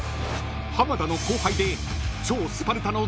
［浜田の後輩で］